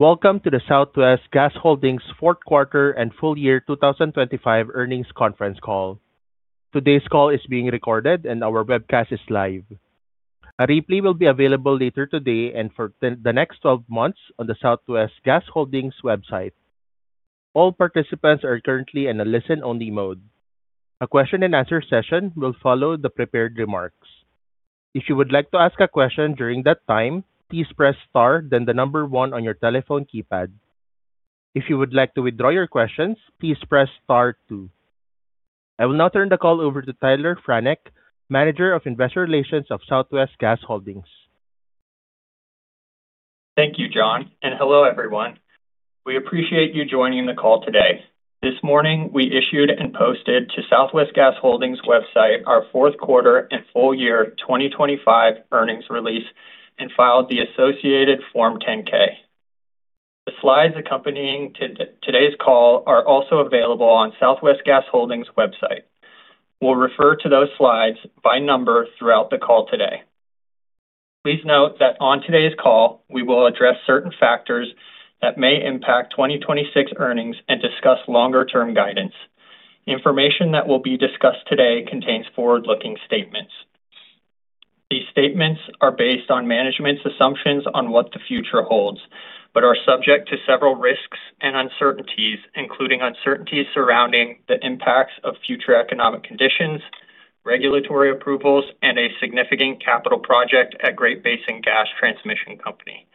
Welcome to the Southwest Gas Holdings Q4 and full year 2025 earnings conference call. Today's call is being recorded, and our webcast is live. A replay will be available later today and the next 12 months on the Southwest Gas Holdings website. All participants are currently in a listen-only mode. A question-and-answer session will follow the prepared remarks. If you would like to ask a question during that time, please press Star, then the number one on your telephone keypad. If you would like to withdraw your questions, please press Star two. I will now turn the call over to Tyler Franek, Manager of Investor Relations of Southwest Gas Holdings. Thank you, John. Hello, everyone. We appreciate you joining the call today. This morning, we issued and posted to Southwest Gas Holdings website our Q4 and full year 2025 earnings release and filed the associated Form 10-K. The slides accompanying today's call are also available on Southwest Gas Holdings website. We'll refer to those slides by number throughout the call today. Please note that on today's call, we will address certain factors that may impact 2026 earnings and discuss longer-term guidance. Information that will be discussed today contains forward-looking statements. These statements are based on management's assumptions on what the future holds, but are subject to several risks and uncertainties, including uncertainties surrounding the impacts of future economic conditions, regulatory approvals, and a significant capital project at Great Basin Gas Transmission Company.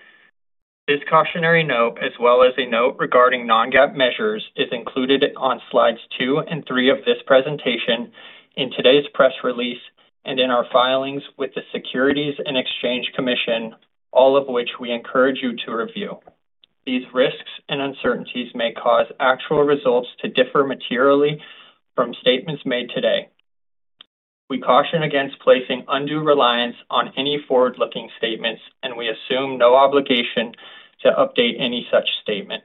This cautionary note, as well as a note regarding non-GAAP measures, is included on slides 2 and 3 of this presentation, in today's press release, and in our filings with the Securities and Exchange Commission, all of which we encourage you to review. These risks and uncertainties may cause actual results to differ materially from statements made today. We caution against placing undue reliance on any forward-looking statements. We assume no obligation to update any such statement.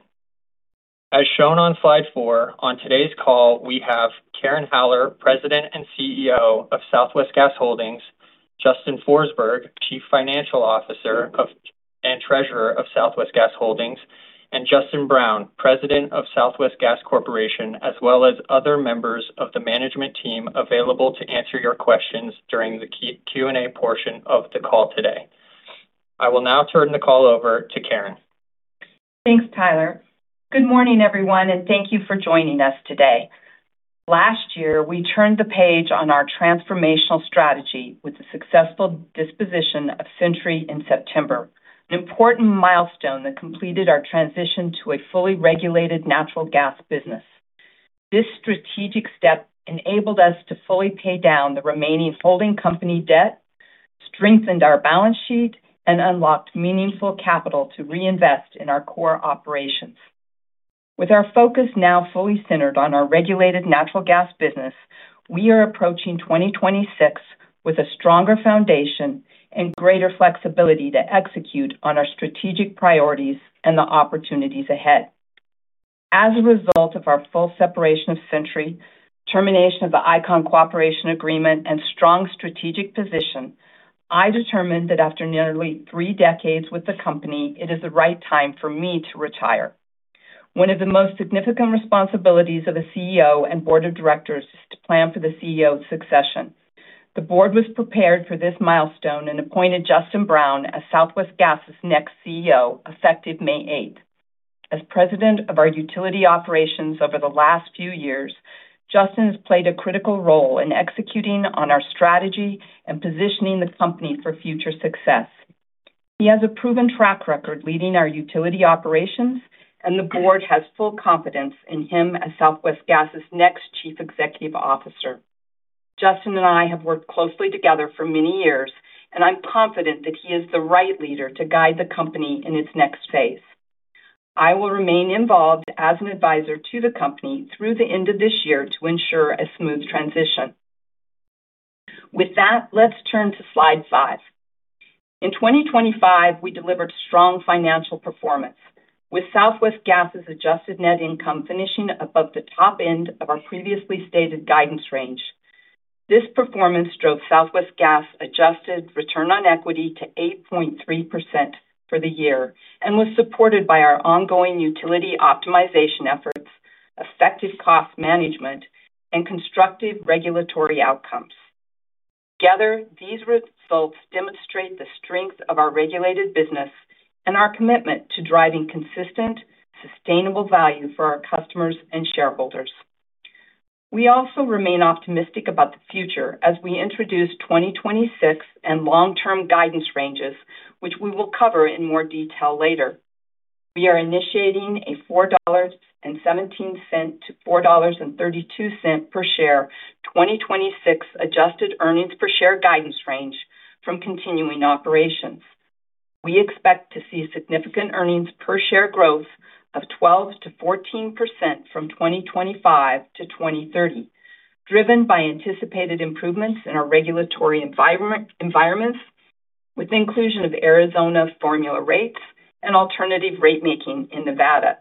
As shown on slide 4, on today's call, we have Karen Haller, President and CEO of Southwest Gas Holdings, Justin Forsberg, Chief Financial Officer and Treasurer of Southwest Gas Holdings, and Justin Brown, President of Southwest Gas Corporation, as well as other members of the management team available to answer your questions during the Q&A portion of the call today. I will now turn the call over to Karen. Thanks, Tyler. Good morning, everyone, thank you for joining us today. Last year, we turned the page on our transformational strategy with the successful disposition of Centuri in September, an important milestone that completed our transition to a fully regulated natural gas business. This strategic step enabled us to fully pay down the remaining holding company debt, strengthened our balance sheet, and unlocked meaningful capital to reinvest in our core operations. With our focus now fully centered on our regulated natural gas business, we are approaching 2026 with a stronger foundation and greater flexibility to execute on our strategic priorities and the opportunities ahead. As a result of our full separation of Centuri, termination of the Icahn cooperation agreement, and strong strategic position, I determined that after nearly three decades with the company, it is the right time for me to retire. One of the most significant responsibilities of a CEO and board of directors is to plan for the CEO's succession. The board was prepared for this milestone and appointed Justin Brown as Southwest Gas's next CEO, effective May eighth. As president of our utility operations over the last few years, Justin has played a critical role in executing on our strategy and positioning the company for future success. He has a proven track record leading our utility operations, and the board has full confidence in him as Southwest Gas's next chief executive officer. Justin and I have worked closely together for many years, and I'm confident that he is the right leader to guide the company in its next phase. I will remain involved as an advisor to the company through the end of this year to ensure a smooth transition. With that, let's turn to slide 5. In 2025, we delivered strong financial performance, with Southwest Gas's adjusted net income finishing above the top end of our previously stated guidance range. This performance drove Southwest Gas's adjusted return on equity to 8.3% for the year and was supported by our ongoing utility optimization efforts, effective cost management, and constructive regulatory outcomes. Together, these results demonstrate the strength of our regulated business and our commitment to driving consistent, sustainable value for our customers and shareholders. We also remain optimistic about the future as we introduce 2026 and long-term guidance ranges, which we will cover in more detail later. We are initiating a $4.17-$4.32 per share 2026 adjusted earnings per share guidance range from continuing operations. We expect to see significant earnings per share growth of 12%-14% from 2025-2030, driven by anticipated improvements in our regulatory environment, with the inclusion of Arizona formula rates and alternative rate making in Nevada,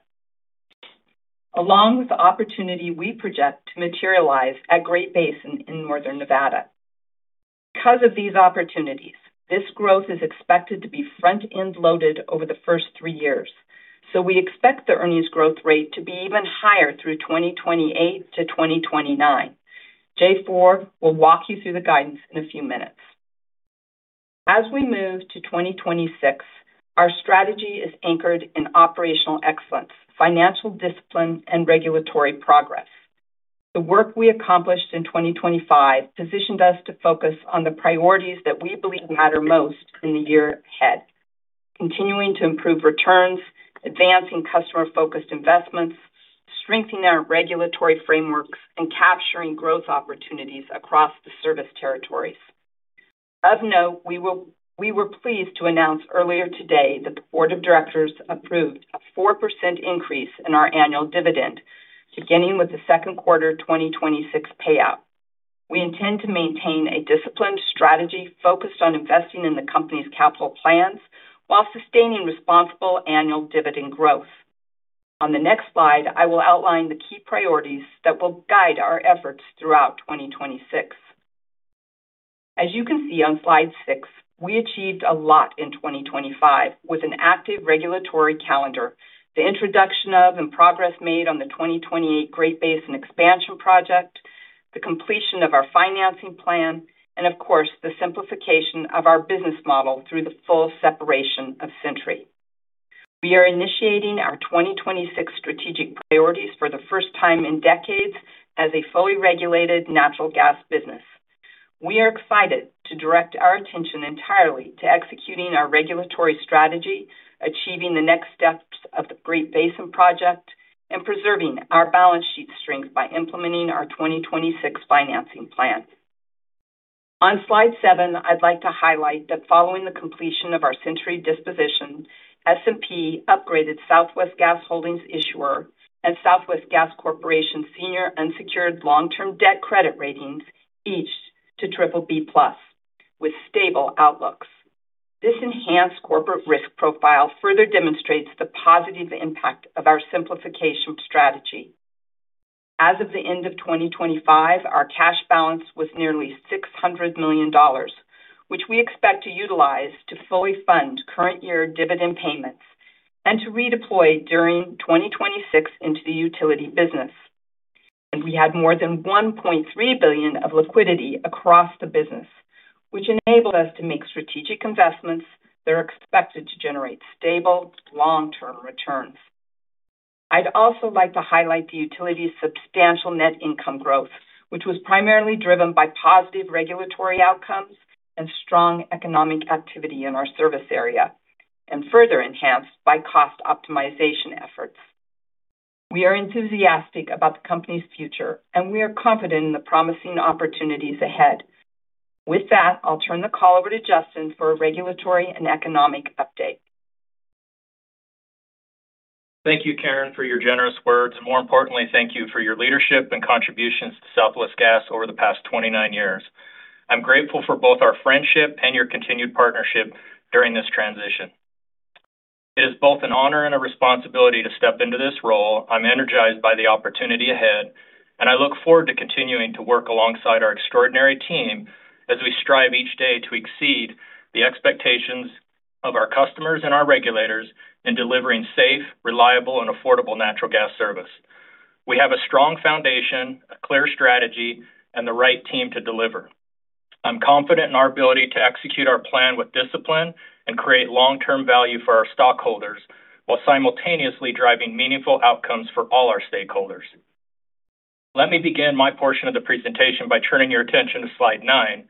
along with the opportunity we project to materialize at Great Basin in Northern Nevada. Because of these opportunities, this growth is expected to be front-end loaded over the first three years, so we expect the earnings growth rate to be even higher through 2028-2029. Jay Foer will walk you through the guidance in a few minutes. As we move to 2026, our strategy is anchored in operational excellence, financial discipline, and regulatory progress. The work we accomplished in 2025 positioned us to focus on the priorities that we believe matter most in the year ahead: continuing to improve returns, advancing customer-focused investments, strengthening our regulatory frameworks, and capturing growth opportunities across the service territories. Of note, we were pleased to announce earlier today that the board of directors approved a 4% increase in our annual dividend, beginning with the Q2 2026 payout. We intend to maintain a disciplined strategy focused on investing in the company's capital plans while sustaining responsible annual dividend growth. On the next slide, I will outline the key priorities that will guide our efforts throughout 2026. As you can see on slide 6, we achieved a lot in 2025 with an active regulatory calendar, the introduction of and progress made on the 2028 Great Basin expansion project, the completion of our financing plan, and of course, the simplification of our business model through the full separation of Centuri. We are initiating our 2026 strategic priorities for the first time in decades as a fully regulated natural gas business. We are excited to direct our attention entirely to executing our regulatory strategy, achieving the next steps of the Great Basin project, and preserving our balance sheet strength by implementing our 2026 financing plan. On slide 7, I'd like to highlight that following the completion of our Centuri disposition, S&P upgraded Southwest Gas Holdings issuer and Southwest Gas Corporation senior unsecured long-term debt credit ratings, each to BBB+, with stable outlooks. This enhanced corporate risk profile further demonstrates the positive impact of our simplification strategy. As of the end of 2025, our cash balance was nearly $600 million, which we expect to utilize to fully fund current year dividend payments and to redeploy during 2026 into the utility business. We had more than $1.3 billion of liquidity across the business, which enabled us to make strategic investments that are expected to generate stable, long-term returns. I'd also like to highlight the utility's substantial net income growth, which was primarily driven by positive regulatory outcomes and strong economic activity in our service area, and further enhanced by cost optimization efforts. We are enthusiastic about the company's future, and we are confident in the promising opportunities ahead. With that, I'll turn the call over to Justin for a regulatory and economic update. Thank you, Karen, for your generous words. More importantly, thank you for your leadership and contributions to Southwest Gas over the past 29 years. I'm grateful for both our friendship and your continued partnership during this transition. It is both an honor and a responsibility to step into this role. I'm energized by the opportunity ahead, and I look forward to continuing to work alongside our extraordinary team as we strive each day to exceed the expectations of our customers and our regulators in delivering safe, reliable, and affordable natural gas service. We have a strong foundation, a clear strategy, and the right team to deliver. I'm confident in our ability to execute our plan with discipline and create long-term value for our stockholders, while simultaneously driving meaningful outcomes for all our stakeholders. Let me begin my portion of the presentation by turning your attention to slide nine,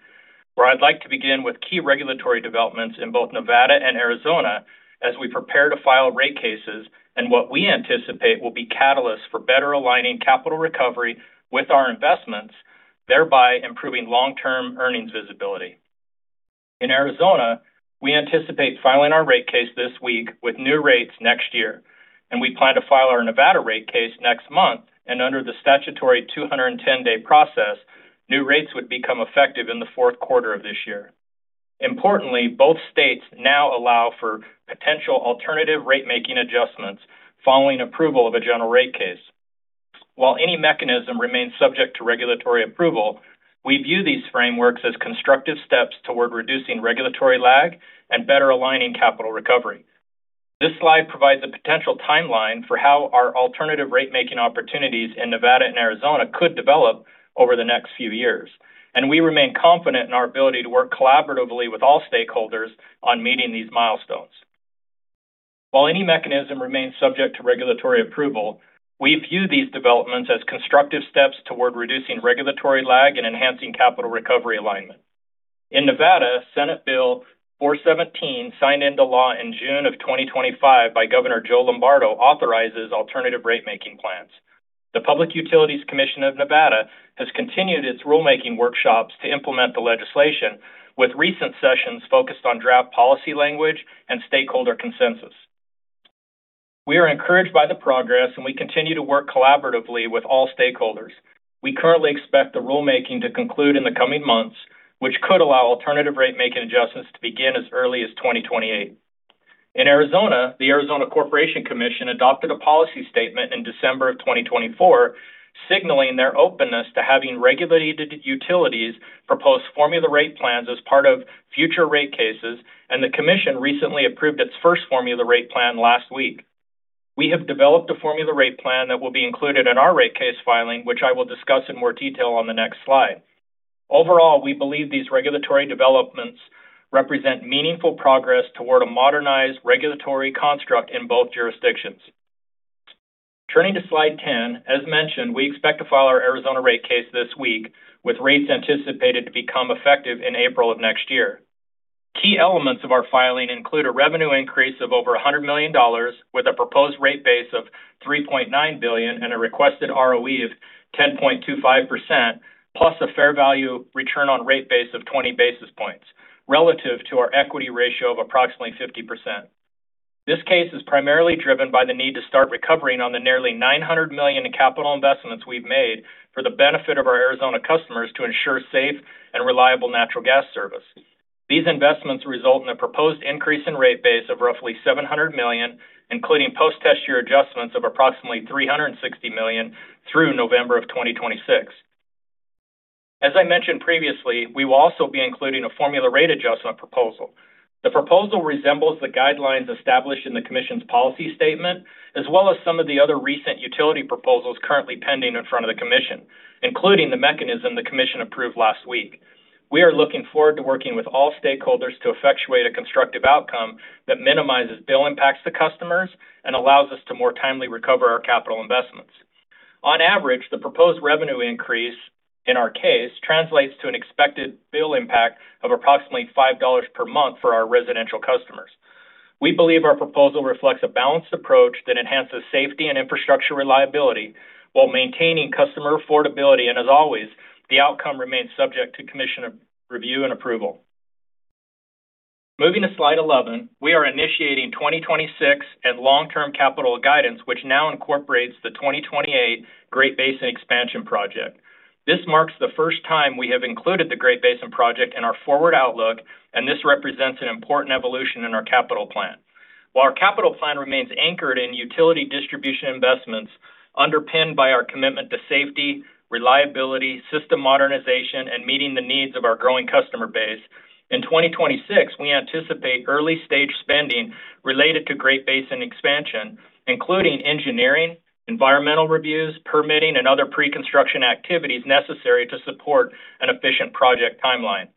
where I'd like to begin with key regulatory developments in both Nevada and Arizona as we prepare to file rate cases and what we anticipate will be catalysts for better aligning capital recovery with our investments, thereby improving long-term earnings visibility. In Arizona, we anticipate filing our rate case this week with new rates next year. We plan to file our Nevada rate case next month. Under the statutory 210-day process, new rates would become effective in the Q4 of this year. Importantly, both states now allow for potential alternative ratemaking adjustments following approval of a general rate case. While any mechanism remains subject to regulatory approval, we view these frameworks as constructive steps toward reducing regulatory lag and better aligning capital recovery. This slide provides a potential timeline for how our alternative ratemaking opportunities in Nevada and Arizona could develop over the next few years, and we remain confident in our ability to work collaboratively with all stakeholders on meeting these milestones. While any mechanism remains subject to regulatory approval, we view these developments as constructive steps toward reducing regulatory lag and enhancing capital recovery alignment. In Nevada, Senate Bill 417, signed into law in June of 2025 by Governor Joe Lombardo, authorizes alternative ratemaking plans. The Public Utilities Commission of Nevada has continued its rulemaking workshops to implement the legislation, with recent sessions focused on draft policy language and stakeholder consensus. We are encouraged by the progress, and we continue to work collaboratively with all stakeholders. We currently expect the rulemaking to conclude in the coming months, which could allow alternative ratemaking adjustments to begin as early as 2028. In Arizona, the Arizona Corporation Commission adopted a policy statement in December of 2024, signaling their openness to having regulated utilities propose formula rate plans as part of future rate cases, and the commission recently approved its first formula rate plan last week. We have developed a formula rate plan that will be included in our rate case filing, which I will discuss in more detail on the next slide. Overall, we believe these regulatory developments represent meaningful progress toward a modernized regulatory construct in both jurisdictions. Turning to Slide 10, as mentioned, we expect to file our Arizona rate case this week, with rates anticipated to become effective in April of next year. Key elements of our filing include a revenue increase of over $100 million, with a proposed rate base of $3.9 billion and a requested ROE of 10.25%, plus a fair value return on rate base of 20 basis points, relative to our equity ratio of approximately 50%. This case is primarily driven by the need to start recovering on the nearly $900 million in capital investments we've made for the benefit of our Arizona customers to ensure safe and reliable natural gas service. These investments result in a proposed increase in rate base of roughly $700 million, including post-test year adjustments of approximately $360 million through November of 2026. As I mentioned previously, we will also be including a formula rate adjustment proposal. The proposal resembles the guidelines established in the Commission's policy statement, as well as some of the other recent utility proposals currently pending in front of the Commission, including the mechanism the Commission approved last week. We are looking forward to working with all stakeholders to effectuate a constructive outcome that minimizes bill impacts to customers and allows us to more timely recover our capital investments. On average, the proposed revenue increase in our case translates to an expected bill impact of approximately $5 per month for our residential customers. We believe our proposal reflects a balanced approach that enhances safety and infrastructure reliability while maintaining customer affordability. As always, the outcome remains subject to Commission review and approval. Moving to Slide 11, we are initiating 2026 and long-term capital guidance, which now incorporates the 2028 Great Basin Expansion Project. This marks the first time we have included the Great Basin project in our forward outlook, this represents an important evolution in our capital plan. While our capital plan remains anchored in utility distribution investments, underpinned by our commitment to safety, reliability, system modernization, and meeting the needs of our growing customer base, in 2026, we anticipate early-stage spending related to Great Basin expansion, including engineering, environmental reviews, permitting, and other pre-construction activities necessary to support an efficient project timeline.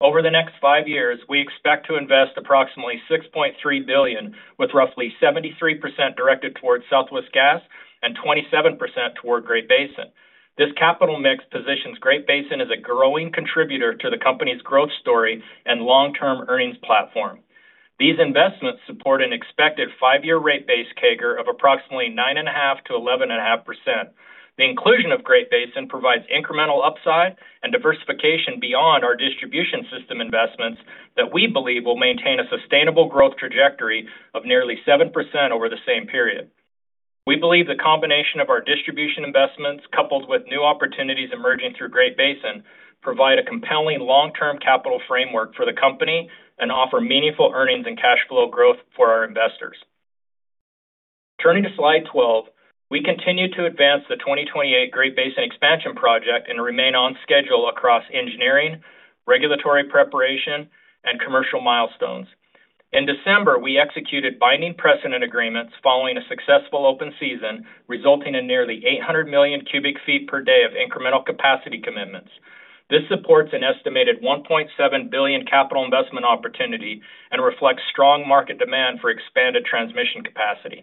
Over the next five years, we expect to invest approximately $6.3 billion, with roughly 73% directed towards Southwest Gas and 27% toward Great Basin. This capital mix positions Great Basin as a growing contributor to the company's growth story and long-term earnings platform. These investments support an expected 5-year rate base CAGR of approximately 9.5%-11.5%. The inclusion of Great Basin provides incremental upside and diversification beyond our distribution system investments that we believe will maintain a sustainable growth trajectory of nearly 7% over the same period. We believe the combination of our distribution investments, coupled with new opportunities emerging through Great Basin, provide a compelling long-term capital framework for the company and offer meaningful earnings and cash flow growth for our investors. Turning to Slide 12, we continue to advance the 2028 Great Basin Expansion Project and remain on schedule across engineering, regulatory preparation, and commercial milestones. In December, we executed binding precedent agreements following a successful open season, resulting in nearly 800 million cubic feet per day of incremental capacity commitments. This supports an estimated $1.7 billion capital investment opportunity and reflects strong market demand for expanded transmission capacity.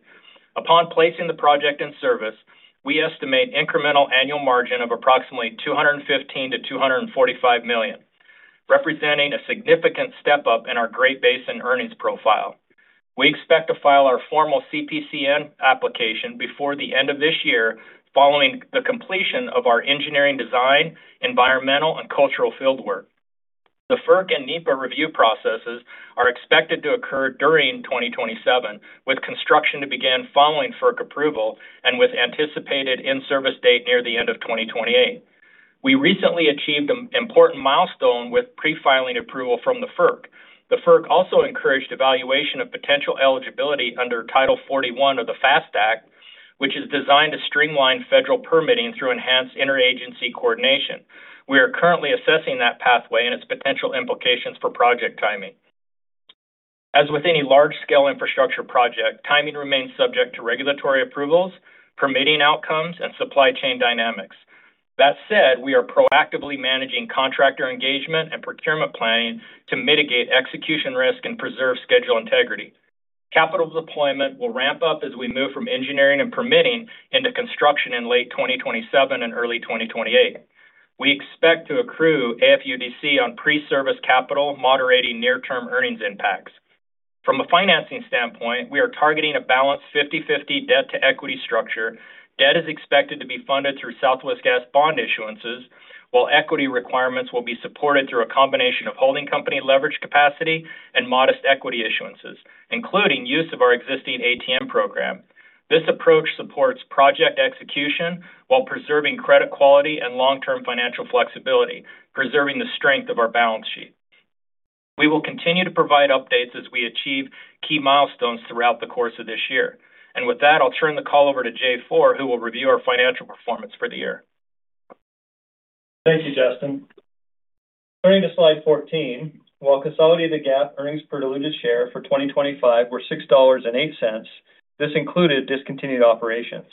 Upon placing the project in service, we estimate incremental annual margin of approximately $215 million-$245 million, representing a significant step-up in our Great Basin earnings profile. We expect to file our formal CPCN application before the end of this year, following the completion of our engineering design, environmental, and cultural field work. The FERC and NEPA review processes are expected to occur during 2027, with construction to begin following FERC approval and with anticipated in-service date near the end of 2028. We recently achieved an important milestone with pre-filing approval from the FERC. The FERC also encouraged evaluation of potential eligibility under Title 41 of the FAST Act, which is designed to streamline federal permitting through enhanced interagency coordination. We are currently assessing that pathway and its potential implications for project timing. As with any large-scale infrastructure project, timing remains subject to regulatory approvals, permitting outcomes, and supply chain dynamics. We are proactively managing contractor engagement and procurement planning to mitigate execution risk and preserve schedule integrity. Capital deployment will ramp up as we move from engineering and permitting into construction in late 2027 and early 2028. We expect to accrue AFUDC on pre-service capital, moderating near-term earnings impacts. From a financing standpoint, we are targeting a balanced 50/50 debt-to-equity structure. Debt is expected to be funded through Southwest Gas bond issuances, while equity requirements will be supported through a combination of holding company leverage capacity and modest equity issuances, including use of our existing ATM program. This approach supports project execution while preserving credit quality and long-term financial flexibility, preserving the strength of our balance sheet. We will continue to provide updates as we achieve key milestones throughout the course of this year. With that, I'll turn the call over to Jay Foer, who will review our financial performance for the year. Thank you, Justin. Turning to slide 14, while consolidated GAAP earnings per diluted share for 2025 were $6.08, this included discontinued operations.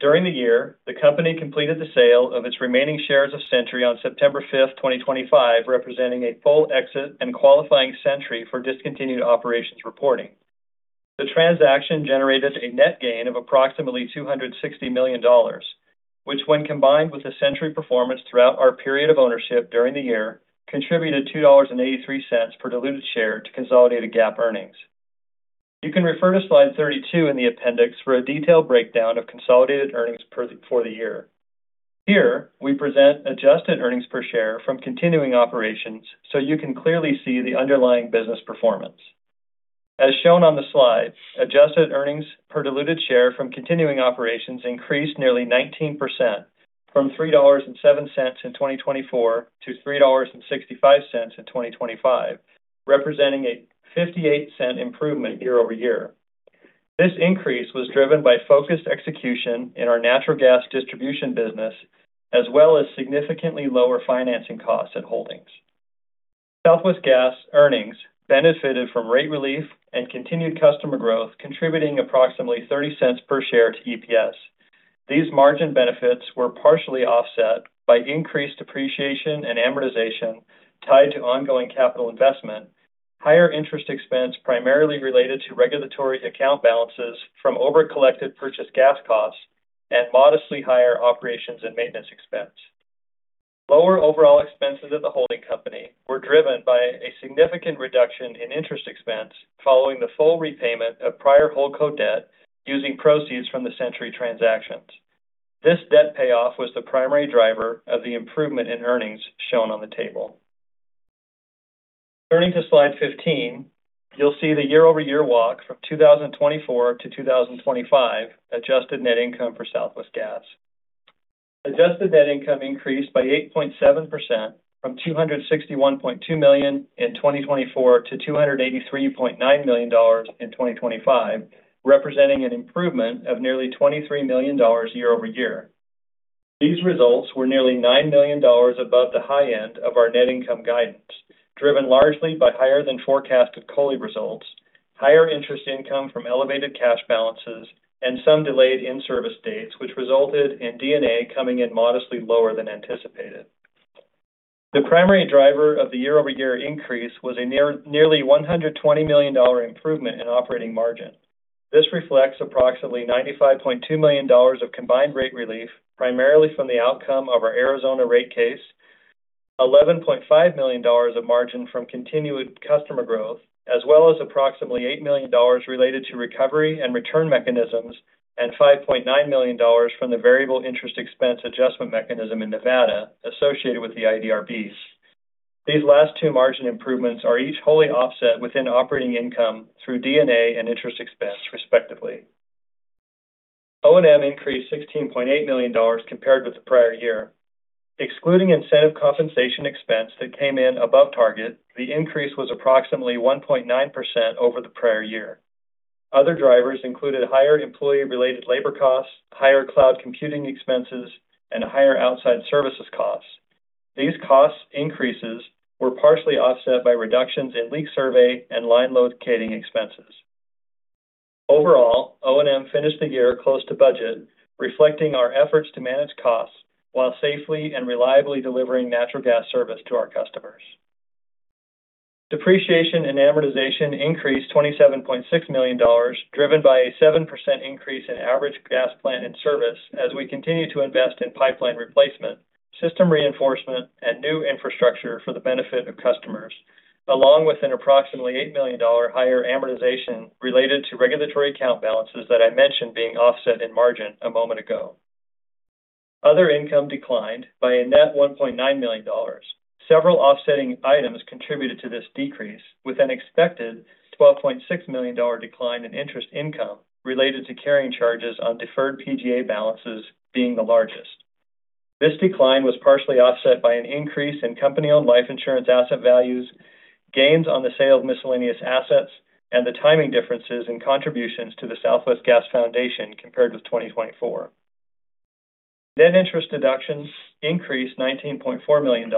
During the year, the company completed the sale of its remaining shares of Centuri on September 5, 2025, representing a full exit and qualifying Centuri for discontinued operations reporting. The transaction generated a net gain of approximately $260 million, which, when combined with the Centuri performance throughout our period of ownership during the year, contributed $2.83 per diluted share to consolidated GAAP earnings. You can refer to slide 32 in the appendix for a detailed breakdown of consolidated earnings for the year. Here, we present adjusted earnings per share from continuing operations, you can clearly see the underlying business performance. As shown on the slide, adjusted earnings per diluted share from continuing operations increased nearly 19%, from $3.07 in 2024 to $3.65 in 2025, representing a $0.58 improvement year-over-year. This increase was driven by focused execution in our natural gas distribution business, as well as significantly lower financing costs at holdings. Southwest Gas earnings benefited from rate relief and continued customer growth, contributing approximately $0.30 per share to EPS. These margin benefits were partially offset by increased depreciation and amortization tied to ongoing capital investment, higher interest expense, primarily related to regulatory account balances from over-collected purchase gas costs, and modestly higher operations and maintenance expense. Lower overall expenses of the holding company were driven by a significant reduction in interest expense following the full repayment of prior holdco debt, using proceeds from the Centuri transactions. This debt payoff was the primary driver of the improvement in earnings shown on the table. Turning to slide 15, you'll see the year-over-year walk from 2024 to 2025 adjusted net income for Southwest Gas. Adjusted net income increased by 8.7% from $261.2 million in 2024 to $283.9 million in 2025, representing an improvement of nearly $23 million year-over-year. These results were nearly $9 million above the high end of our net income guidance, driven largely by higher than forecasted COLI results, higher interest income from elevated cash balances, and some delayed in-service dates, which resulted in D&A coming in modestly lower than anticipated. The primary driver of the year-over-year increase was nearly $120 million improvement in operating margin. This reflects approximately $95.2 million of combined rate relief, primarily from the outcome of our Arizona rate case, $11.5 million of margin from continued customer growth, as well as approximately $8 million related to recovery and return mechanisms, and $5.9 million from the variable interest expense adjustment mechanism in Nevada associated with the IDRBs. These last two margin improvements are each wholly offset within operating income through D&A and interest expense, respectively. O&M increased $16.8 million compared with the prior year. Excluding incentive compensation expense that came in above target, the increase was approximately 1.9% over the prior year. Other drivers included higher employee-related labor costs, higher cloud computing expenses, and higher outside services costs. These cost increases were partially offset by reductions in leak survey and line load catering expenses. Overall, O&M finished the year close to budget, reflecting our efforts to manage costs while safely and reliably delivering natural gas service to our customers. Depreciation and amortization increased $27.6 million, driven by a 7% increase in average gas plant in service as we continue to invest in pipeline replacement, system reinforcement, and new infrastructure for the benefit of customers, along with an approximately $8 million higher amortization related to regulatory account balances that I mentioned being offset in margin a moment ago. Other income declined by a net $1.9 million. Several offsetting items contributed to this decrease, with an expected $12.6 million decline in interest income related to carrying charges on deferred PGA balances being the largest. This decline was partially offset by an increase in company-owned life insurance asset values, gains on the sale of miscellaneous assets, and the timing differences in contributions to the Southwest Gas Foundation compared with 2024. Net interest deductions increased $19.4 million,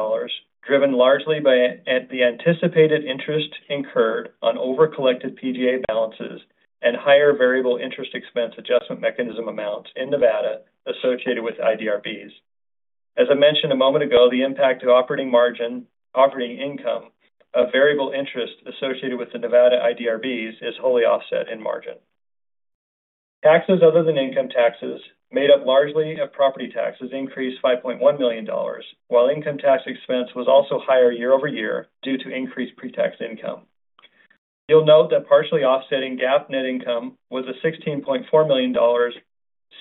driven largely by the anticipated interest incurred on over-collected PGA balances and higher variable interest expense adjustment mechanism amounts in Nevada associated with IDRBs. As I mentioned a moment ago, the impact to operating income of variable interest associated with the Nevada IDRBs is wholly offset in margin. Taxes other than income taxes, made up largely of property taxes, increased $5.1 million, while income tax expense was also higher year-over-year due to increased pre-tax income. You'll note that partially offsetting GAAP net income was a $16.4 million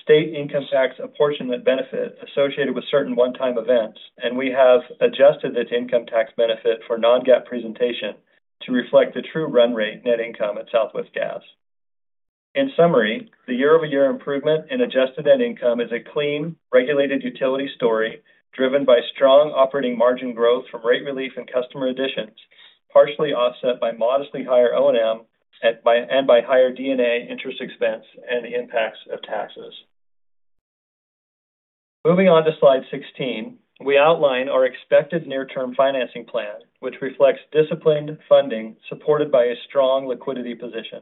state income tax apportionment benefit associated with certain one-time events, and we have adjusted this income tax benefit for non-GAAP presentation to reflect the true run rate net income at Southwest Gas. In summary, the year-over-year improvement in adjusted net income is a clean, regulated utility story, driven by strong operating margin growth from rate relief and customer additions, partially offset by modestly higher O&M and by higher D&A interest expense and the impacts of taxes. Moving on to slide 16, we outline our expected near-term financing plan, which reflects disciplined funding supported by a strong liquidity position.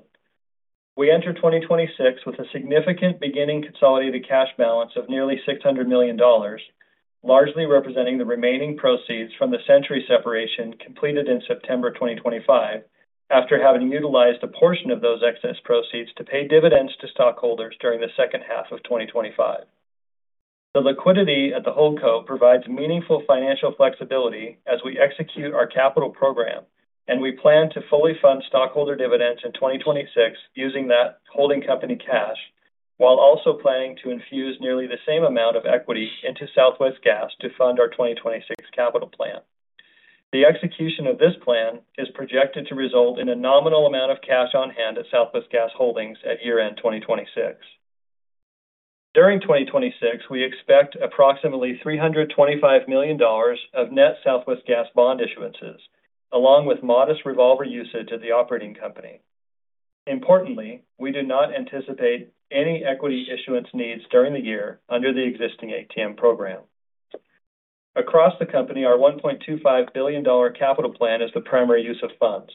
We enter 2026 with a significant beginning consolidated cash balance of nearly $600 million, largely representing the remaining proceeds from the Centuri separation completed in September 2025, after having utilized a portion of those excess proceeds to pay dividends to stockholders during the second half of 2025. The liquidity at the holdco provides meaningful financial flexibility as we execute our capital program, and we plan to fully fund stockholder dividends in 2026 using that holding company cash, while also planning to infuse nearly the same amount of equity into Southwest Gas to fund our 2026 capital plan. The execution of this plan is projected to result in a nominal amount of cash on hand at Southwest Gas Holdings at year-end 2026. During 2026, we expect approximately $325 million of net Southwest Gas bond issuances, along with modest revolver usage at the operating company. Importantly, we do not anticipate any equity issuance needs during the year under the existing ATM program. Across the company, our $1.25 billion capital plan is the primary use of funds.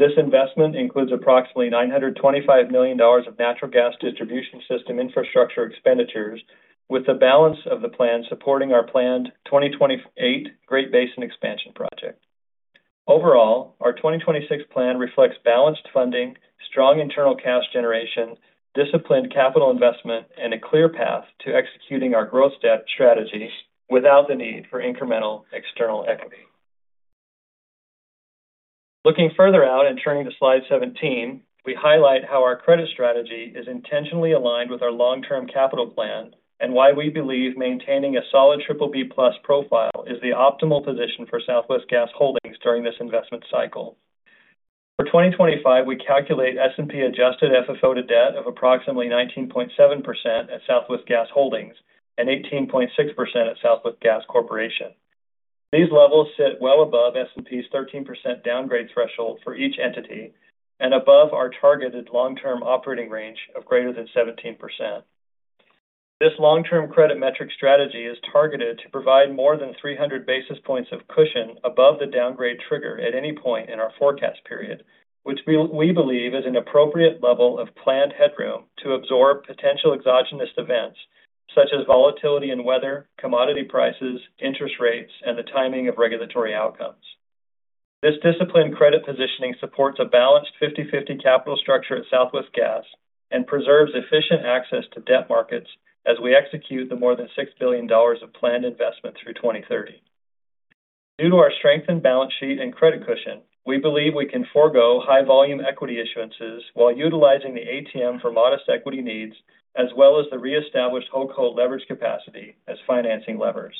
This investment includes approximately $925 million of natural gas distribution system infrastructure expenditures, with the balance of the plan supporting our planned 2028 Great Basin expansion project. Overall, our 2026 plan reflects balanced funding, strong internal cash generation, disciplined capital investment, and a clear path to executing our growth strategy without the need for incremental external equity. Looking further out and turning to slide 17, we highlight how our credit strategy is intentionally aligned with our long-term capital plan, and why we believe maintaining a solid BBB+ profile is the optimal position for Southwest Gas Holdings during this investment cycle. For 2025, we calculate S&P-adjusted FFO to debt of approximately 19.7% at Southwest Gas Holdings and 18.6% at Southwest Gas Corporation. These levels sit well above S&P's 13% downgrade threshold for each entity and above our targeted long-term operating range of greater than 17%. This long-term credit metric strategy is targeted to provide more than 300 basis points of cushion above the downgrade trigger at any point in our forecast period, which we believe is an appropriate level of planned headroom to absorb potential exogenous events such as volatility in weather, commodity prices, interest rates, and the timing of regulatory outcomes. This disciplined credit positioning supports a balanced 50/50 capital structure at Southwest Gas and preserves efficient access to debt markets as we execute the more than $6 billion of planned investment through 2030. Due to our strengthened balance sheet and credit cushion, we believe we can forgo high-volume equity issuances while utilizing the ATM for modest equity needs, as well as the reestablished holdco leverage capacity as financing levers.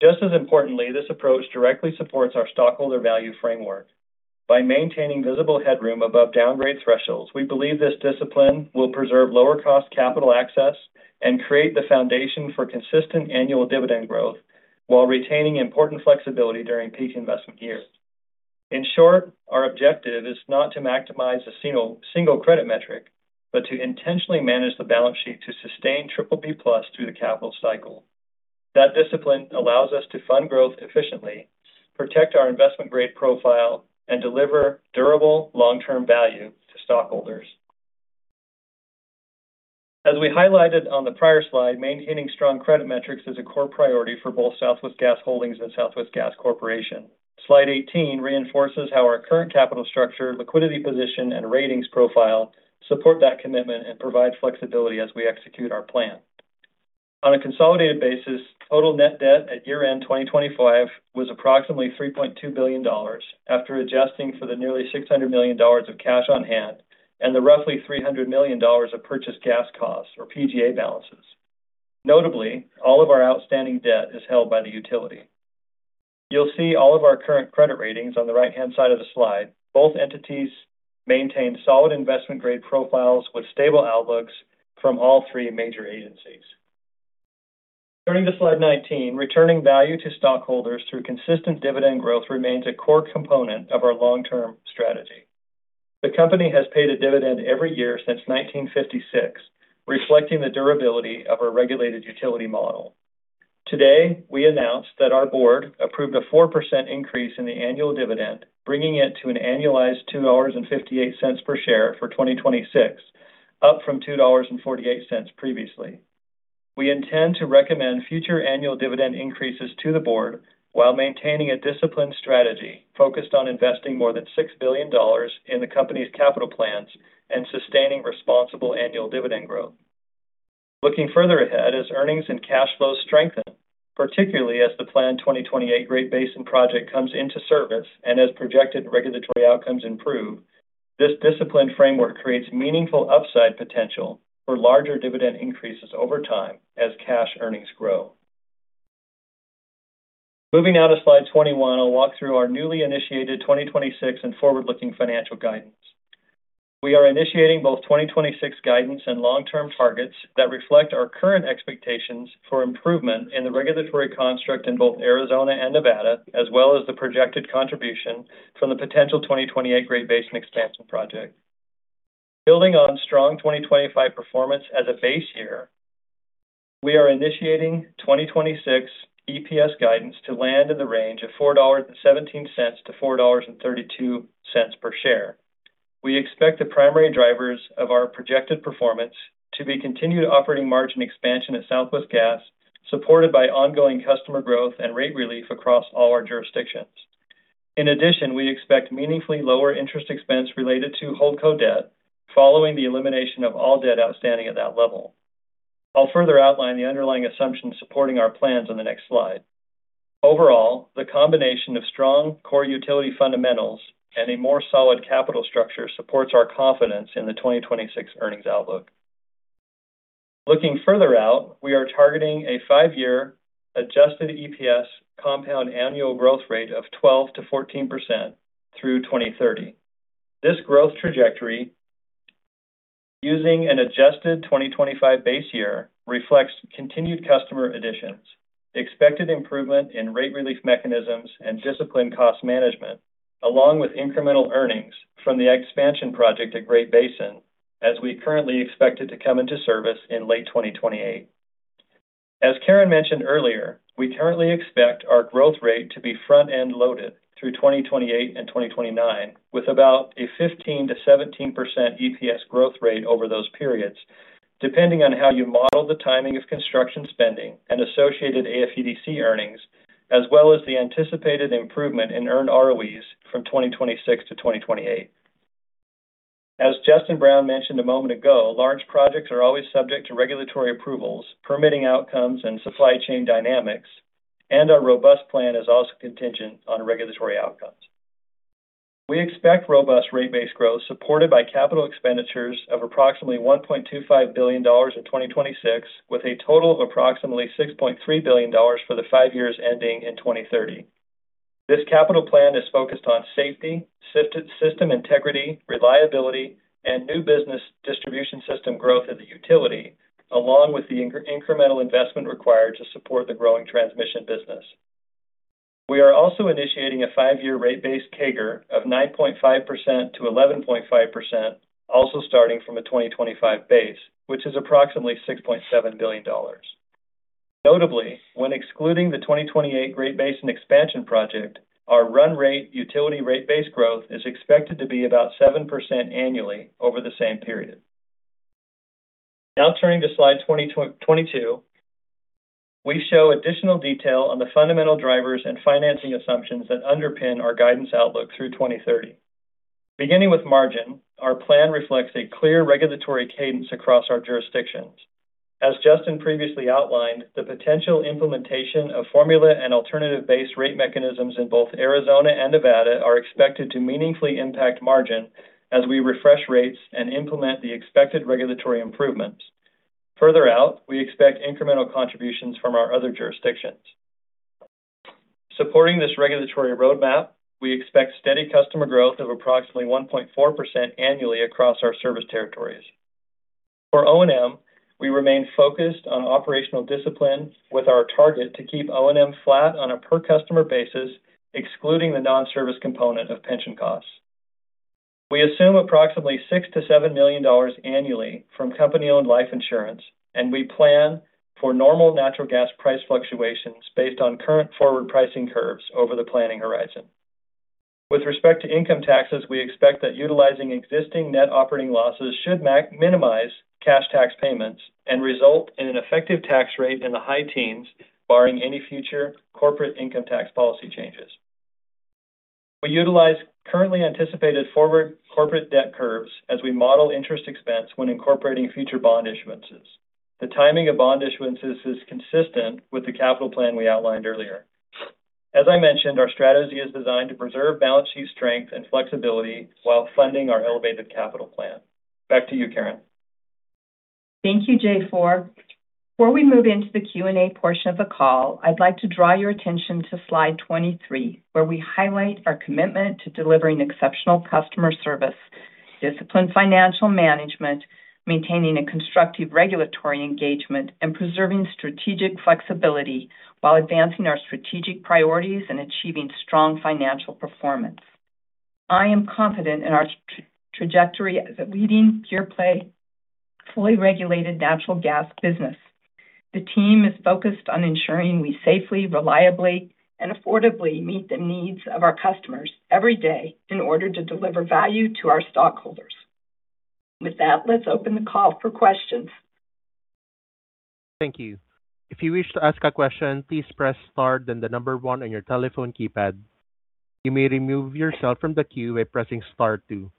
Just as importantly, this approach directly supports our stockholder value framework. By maintaining visible headroom above downgrade thresholds, we believe this discipline will preserve lower-cost capital access and create the foundation for consistent annual dividend growth while retaining important flexibility during peak investment years. In short, our objective is not to maximize a single credit metric, but to intentionally manage the balance sheet to sustain BBB+ through the capital cycle. That discipline allows us to fund growth efficiently, protect our investment-grade profile, and deliver durable long-term value to stockholders. As we highlighted on the prior slide, maintaining strong credit metrics is a core priority for both Southwest Gas Holdings and Southwest Gas Corporation. Slide 18 reinforces how our current capital structure, liquidity position, and ratings profile support that commitment and provide flexibility as we execute our plan. On a consolidated basis, total net debt at year-end 2025 was approximately $3.2 billion, after adjusting for the nearly $600 million of cash on hand and the roughly $300 million of purchased gas costs, or PGA balances. Notably, all of our outstanding debt is held by the utility. You'll see all of our current credit ratings on the right-hand side of the slide. Both entities maintain solid investment-grade profiles with stable outlooks from all three major agencies. Turning to slide 19, returning value to stockholders through consistent dividend growth remains a core component of our long-term strategy. The company has paid a dividend every year since 1956, reflecting the durability of our regulated utility model. Today, we announced that our board approved a 4% increase in the annual dividend, bringing it to an annualized $2.58 per share for 2026, up from $2.48 previously. We intend to recommend future annual dividend increases to the board while maintaining a disciplined strategy focused on investing more than $6 billion in the company's capital plans and sustaining responsible annual dividend growth. Looking further ahead, as earnings and cash flows strengthen... particularly as the planned 2028 Great Basin project comes into service and as projected regulatory outcomes improve, this disciplined framework creates meaningful upside potential for larger dividend increases over time as cash earnings grow. Moving now to slide 21, I'll walk through our newly initiated 2026 and forward-looking financial guidance. We are initiating both 2026 guidance and long-term targets that reflect our current expectations for improvement in the regulatory construct in both Arizona and Nevada, as well as the projected contribution from the potential 2028 Great Basin expansion project. Building on strong 2025 performance as a base year, we are initiating 2026 EPS guidance to land in the range of $4.17-$4.32 per share. We expect the primary drivers of our projected performance to be continued operating margin expansion at Southwest Gas, supported by ongoing customer growth and rate relief across all our jurisdictions. We expect meaningfully lower interest expense related to holdco debt following the elimination of all debt outstanding at that level. I'll further outline the underlying assumptions supporting our plans on the next slide. The combination of strong core utility fundamentals and a more solid capital structure supports our confidence in the 2026 earnings outlook. Looking further out, we are targeting a five-year adjusted EPS compound annual growth rate of 12%-14% through 2030. This growth trajectory, using an adjusted 2025 base year, reflects continued customer additions, expected improvement in rate relief mechanisms, and disciplined cost management, along with incremental earnings from the expansion project at Great Basin, as we currently expect it to come into service in late 2028. As Karen mentioned earlier, we currently expect our growth rate to be front-end loaded through 2028 and 2029, with about a 15%-17% EPS growth rate over those periods, depending on how you model the timing of construction spending and associated AFUDC earnings, as well as the anticipated improvement in earned ROEs from 2026 to 2028. As Justin Brown mentioned a moment ago, large projects are always subject to regulatory approvals, permitting outcomes, and supply chain dynamics. Our robust plan is also contingent on regulatory outcomes. We expect robust rate-based growth supported by capital expenditures of approximately $1.25 billion in 2026, with a total of approximately $6.3 billion for the five years ending in 2030. This capital plan is focused on safety, system integrity, reliability, and new business distribution system growth of the utility, along with the incremental investment required to support the growing transmission business. We are also initiating a five-year rate-based CAGR of 9.5%-11.5%, also starting from a 2025 base, which is approximately $6.7 billion. Notably, when excluding the 2028 Great Basin expansion project, our run rate utility rate base growth is expected to be about 7% annually over the same period. Turning to slide 22, we show additional detail on the fundamental drivers and financing assumptions that underpin our guidance outlook through 2030. Beginning with margin, our plan reflects a clear regulatory cadence across our jurisdictions. As Justin previously outlined, the potential implementation of formula and alternative-based rate mechanisms in both Arizona and Nevada are expected to meaningfully impact margin as we refresh rates and implement the expected regulatory improvements. Further out, we expect incremental contributions from our other jurisdictions. Supporting this regulatory roadmap, we expect steady customer growth of approximately 1.4% annually across our service territories. For O&M, we remain focused on operational discipline, with our target to keep O&M flat on a per-customer basis, excluding the non-service component of pension costs. We assume approximately $6 million-$7 million annually from company-owned life insurance. We plan for normal natural gas price fluctuations based on current forward pricing curves over the planning horizon. With respect to income taxes, we expect that utilizing existing net operating losses should minimize cash tax payments and result in an effective tax rate in the high teens, barring any future corporate income tax policy changes. We utilize currently anticipated forward corporate debt curves as we model interest expense when incorporating future bond issuances. The timing of bond issuances is consistent with the capital plan we outlined earlier. As I mentioned, our strategy is designed to preserve balance sheet strength and flexibility while funding our elevated capital plan. Back to you, Karen. Thank you, Jay Foer. Before we move into the Q&A portion of the call, I'd like to draw your attention to slide 23, where we highlight our commitment to delivering exceptional customer service, disciplined financial management, maintaining a constructive regulatory engagement, and preserving strategic flexibility while advancing our strategic priorities and achieving strong financial performance. I am confident in our trajectory as a leading pure-play, fully regulated natural gas business. The team is focused on ensuring we safely, reliably, and affordably meet the needs of our customers every day in order to deliver value to our stockholders. With that, let's open the call for questions. Thank you. If you wish to ask a question, please press Star, then the one on your telephone keypad. You may remove yourself from the queue by pressing Star 2.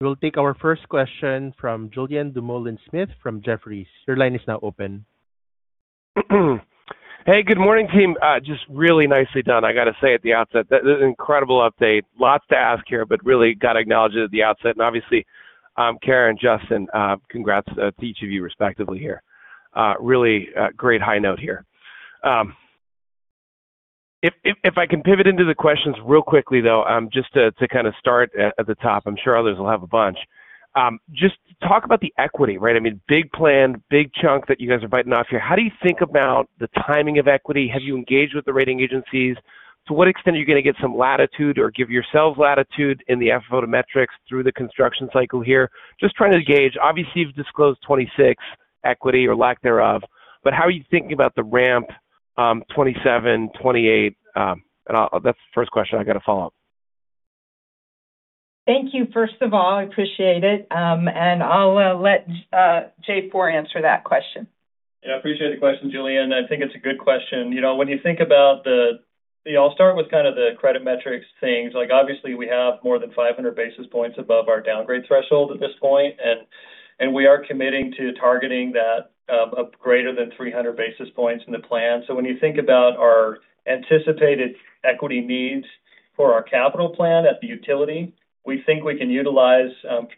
We'll take our first question from Julien Dumoulin-Smith from Jefferies. Your line is now open. Hey, good morning, team. Just really nicely done. I got to say at the outset, that is an incredible update. Lots to ask here, but really got to acknowledge it at the outset. Obviously, Karen, Justin, congrats to each of you respectively here. Really, great high note here. If I can pivot into the questions real quickly, though, just to kind of start at the top, I'm sure others will have a bunch. Just talk about the equity, right? I mean, big plan, big chunk that you guys are biting off here. How do you think about the timing of equity? Have you engaged with the rating agencies? To what extent are you going to get some latitude or give yourselves latitude in the FVA metrics through the construction cycle here? Just trying to gauge. Obviously, you've disclosed 2026 equity or lack thereof, but how are you thinking about the ramp, 2027, 2028? That's the first question. I got a follow-up. Thank you, first of all, I appreciate it. I'll let Jay oer answer that question. I appreciate the question, Julien. I think it's a good question. You know, when you think about I'll start with kind of the credit metrics things. Like, obviously, we have more than 500 basis points above our downgrade threshold at this point, and we are committing to targeting that up greater than 300 basis points in the plan. When you think about our anticipated equity needs for our capital plan at the utility, we think we can utilize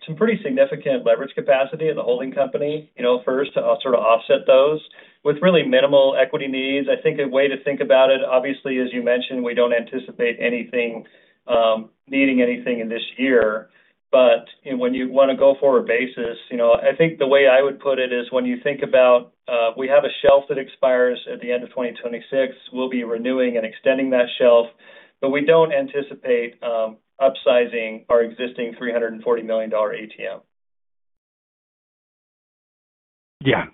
some pretty significant leverage capacity of the holding company, you know, first to sort of offset those with really minimal equity needs. I think a way to think about it, obviously, as you mentioned, we don't anticipate anything needing anything in this year. When you want to go forward basis, you know, I think the way I would put it is when you think about, we have a shelf that expires at the end of 2026, we'll be renewing and extending that shelf, but we don't anticipate upsizing our existing $340 million ATM.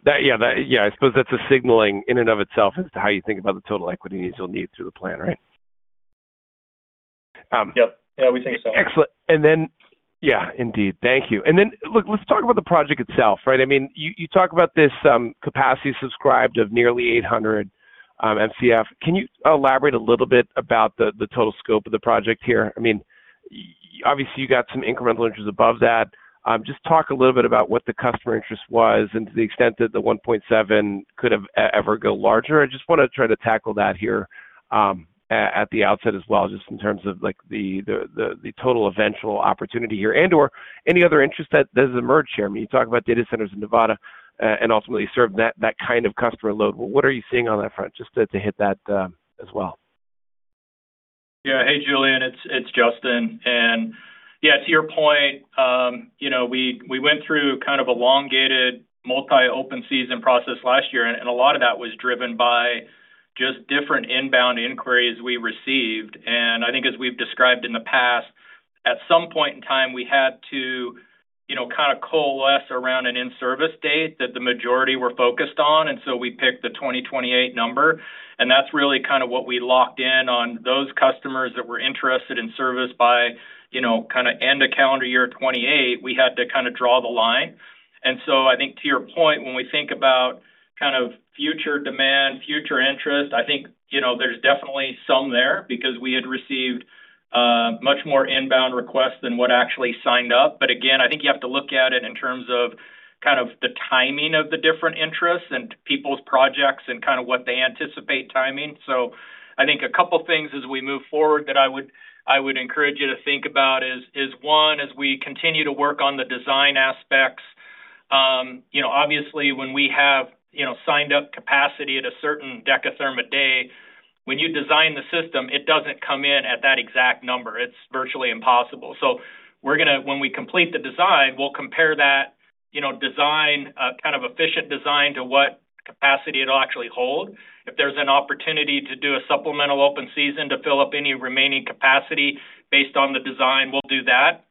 That, yeah, I suppose that's a signaling in and of itself as to how you think about the total equity needs you'll need through the plan, right? Yep. We think so. Excellent. Yeah, indeed. Thank you. Look, let's talk about the project itself, right? I mean, you talk about this capacity subscribed of nearly 800 MCF. Can you elaborate a little bit about the total scope of the project here? I mean, obviously, you got some incremental interest above that. Just talk a little bit about what the customer interest was and to the extent that the 1.7 could have ever go larger. I just want to try to tackle that here at the outset as well, just in terms of, like, the total eventual opportunity here and/or any other interest that does emerge here. I mean, you talk about data centers in Nevada and ultimately serve that kind of customer load. What are you seeing on that front? Just to hit that as well. Yeah. Hey, Julien, it's Justin. Yeah, to your point, you know, we went through kind of elongated multi open season process last year. A lot of that was driven by just different inbound inquiries we received. I think as we've described in the past, at some point in time, we had to, you know, kind of coalesce around an in-service date that the majority were focused on, and so we picked the 2028 number. That's really kind of what we locked in on those customers that were interested in service by, you know, kind of end of calendar year 28, we had to kind of draw the line. I think to your point, when we think about kind of future demand, future interest, I think, you know, there's definitely some there because we had received much more inbound requests than what actually signed up. Again, I think you have to look at it in terms of kind of the timing of the different interests and people's projects and kind of what they anticipate timing. I think a couple of things as we move forward that I would encourage you to think about is one, as we continue to work on the design aspects, you know, obviously when we have, you know, signed up capacity at a certain decatherm a day, when you design the system, it doesn't come in at that exact number. It's virtually impossible. When we complete the design, we'll compare that, you know, design, kind of efficient design to what capacity it'll actually hold. If there's an opportunity to do a supplemental open season to fill up any remaining capacity based on the design, we'll do that.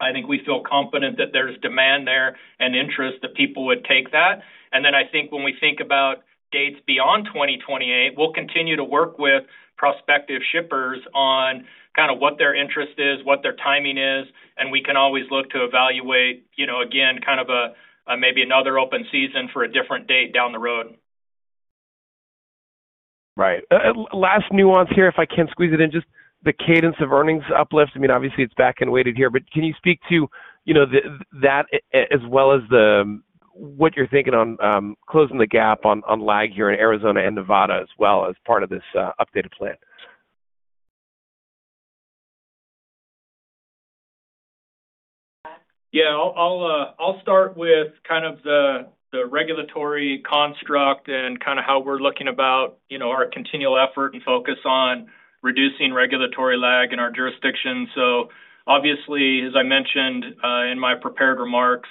I think we feel confident that there's demand there and interest, that people would take that. I think when we think about dates beyond 2028, we'll continue to work with prospective shippers on kind of what their interest is, what their timing is, and we can always look to evaluate, you know, again, kind of a, maybe another open season for a different date down the road. Right. Last nuance here, if I can squeeze it in, just the cadence of earnings uplift. I mean, obviously, it's back and weighted here, but can you speak to, you know, that as well as the, what you're thinking on, closing the gap on lag here in Arizona and Nevada as well as part of this, updated plan? Yeah. I'll start with kind of the regulatory construct and kind of how we're looking about, you know, our continual effort and focus on reducing regulatory lag in our jurisdiction. Obviously, as I mentioned in my prepared remarks,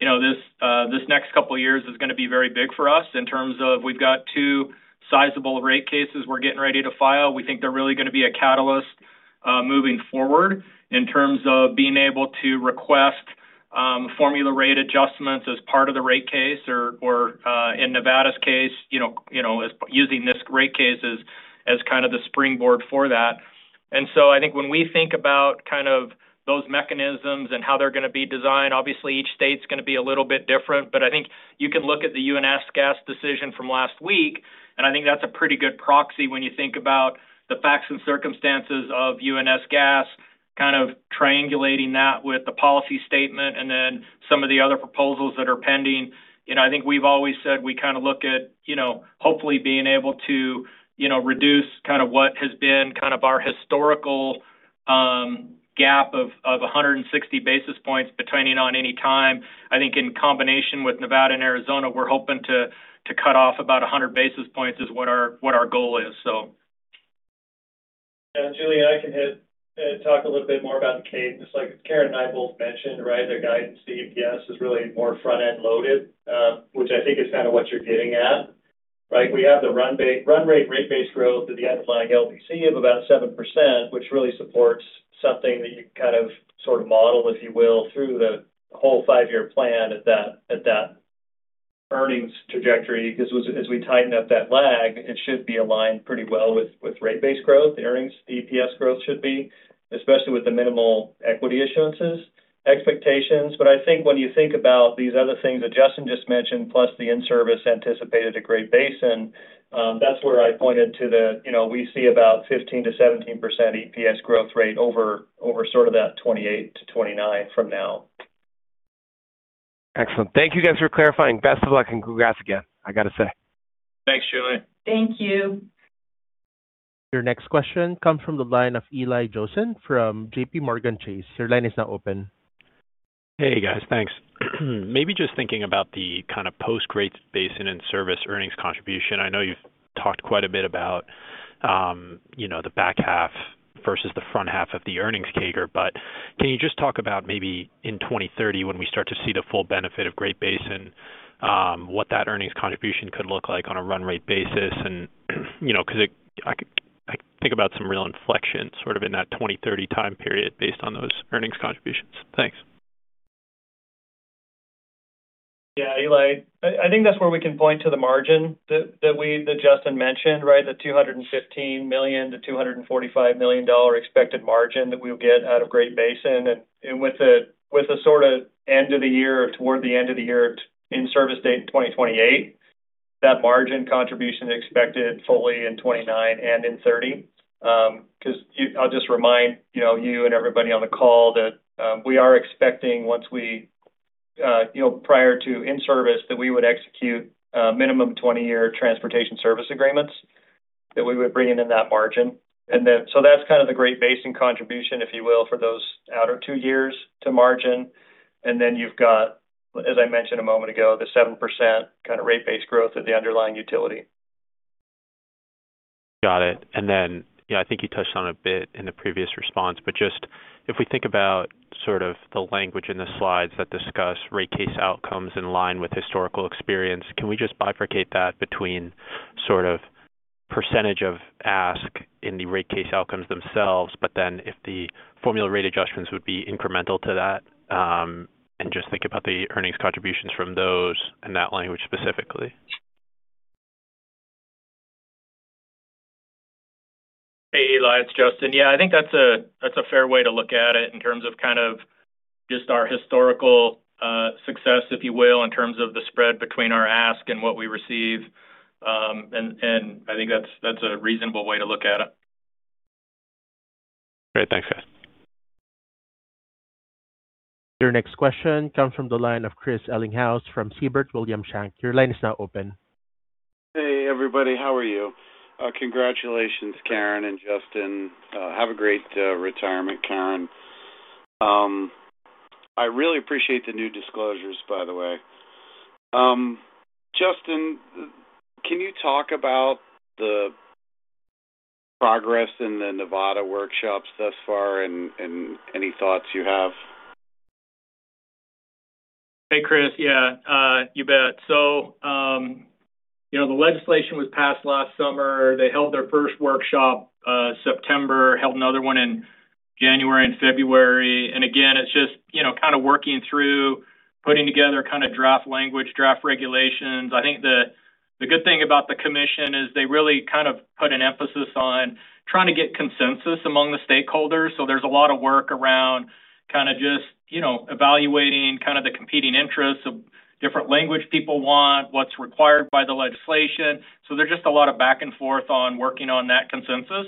you know, this next couple of years is going to be very big for us in terms of we've got two sizable rate cases we're getting ready to file. We think they're really going to be a catalyst moving forward in terms of being able to request formula rate adjustments as part of the rate case or in Nevada's case, you know, using this rate case as kind of the springboard for that. I think when we think about kind of those mechanisms and how they're going to be designed, obviously, each state is going to be a little bit different, but I think you can look at the UNS Gas decision from last week, and I think that's a pretty good proxy when you think about the facts and circumstances of UNS Gas. Triangulating that with the policy statement and then some of the other proposals that are pending. You know, I think we've always said we kind of look at, you know, hopefully being able to, you know, reduce kind of what has been kind of our historical gap of 160 basis points between on any time. I think in combination with Nevada and Arizona, we're hoping to cut off about 100 basis points is what our goal is. Yeah, Julie, I can talk a little bit more about the case. Just like Karen and I both mentioned, right? The guidance EPS is really more front-end loaded, which I think is kind of what you're getting at, right? We have the run rate base growth of the underlying LDC of about 7%, which really supports something that you kind of, sort of model, if you will, through the whole 5-year plan at that earnings trajectory. As we tighten up that lag, it should be aligned pretty well with rate base growth. The earnings, EPS growth should be, especially with the minimal equity issuances expectations. I think when you think about these other things that Justin just mentioned, plus the in-service anticipated to Great Basin, that's where I pointed to the, you know, we see about 15%-17% EPS growth rate over sort of that 2028-2029 from now. Excellent. Thank you guys for clarifying. Best of luck and congrats again, I gotta say. Thanks, Julie. Thank you. Your next question comes from the line of Eli Joseph from JPMorgan Chase. Your line is now open. Hey, guys. Thanks. Maybe just thinking about the kind of post-Great Basin in-service earnings contribution. I know you've talked quite a bit about, you know, the back half versus the front half of the earnings CAGR, can you just talk about maybe in 2030, when we start to see the full benefit of Great Basin, what that earnings contribution could look like on a run rate basis? You know, because I think about some real inflection sort of in that 2030 time period based on those earnings contributions. Thanks. Yeah, Eli. I think that's where we can point to the margin that we, that Justin mentioned, right? The $215 million-$245 million expected margin that we'll get out of Great Basin. with a sort of end of the year, toward the end of the year in-service date in 2028, that margin contribution expected fully in 2029 and in 2030. Because I'll just remind, you know, you and everybody on the call that we are expecting once we, you know, prior to in-service, that we would execute minimum 20-year transportation service agreements, that we would bring in that margin. That's kind of the Great Basin contribution, if you will, for those outer two years to margin. You've got, as I mentioned a moment ago, the 7% kind of rate base growth of the underlying utility. Got it. Yeah, I think you touched on a bit in the previous response, but just if we think about sort of the language in the slides that discuss rate case outcomes in line with historical experience, can we just bifurcate that between sort of percentage of ask in the rate case outcomes themselves, but then if the formula rate adjustments would be incremental to that, and just think about the earnings contributions from those and that language specifically? Hey, Eli, it's Justin. Yeah, I think that's a fair way to look at it in terms of kind of just our historical success, if you will, in terms of the spread between our ask and what we receive. I think that's a reasonable way to look at it. Great. Thanks, guys. Your next question comes from the line of Chris Ellinghaus from Siebert Williams Shank. Your line is now open. Hey, everybody. How are you? Congratulations, Karen and Justin. Have a great retirement, Karen. I really appreciate the new disclosures, by the way. Justin, can you talk about the progress in the Nevada workshops thus far and any thoughts you have? Hey, Chris. You bet. You know, the legislation was passed last summer. They held their first workshop, September, held another one in January and February. Again, it's just, you know, kind of working through, putting together kind of draft language, draft regulations. I think the good thing about the commission is they really kind of put an emphasis on trying to get consensus among the stakeholders. There's a lot of work around kind of just, you know, evaluating kind of the competing interests of different language people want, what's required by the legislation. There's just a lot of back and forth on working on that consensus.